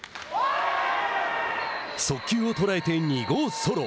速球を捉えて２号ソロ。